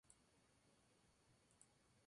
Loli regresa con ellos.